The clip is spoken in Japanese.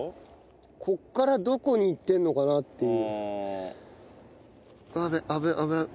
ここからどこにいってるのかなっていう。